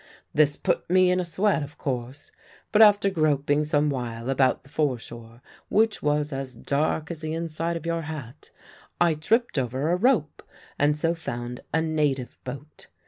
This put me in a sweat, of course; but after groping some while about the foreshore (which was as dark as the inside of your hat), I tripped over a rope and so found a native boat.